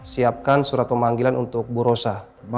siapkan surat pemanggilan untuk bu rosa